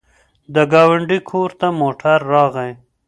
د ګاونډي کور ته موټر راغی.